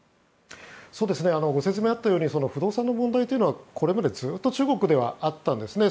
ご説明があったように不動産の問題というのはこれまでずっと中国ではあったんですね。